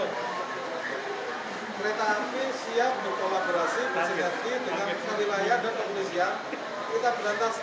kereta api siap berkolaborasi bersinggati dengan kepolisian dan kepolisian